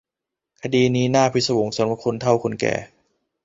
คดีนี้น่าพิศวงสำหรับคนเฒ่าคนแก่